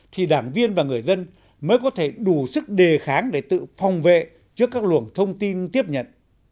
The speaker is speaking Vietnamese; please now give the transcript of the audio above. thì đảng viên và người dân mới có thể đủ sức đề kháng để tự phòng vệ trước các luồng thông tin tiếp nhận